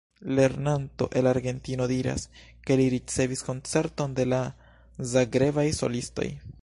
Lernanto el Argentino diras, ke li ricevis koncerton de la Zagrebaj solistoj.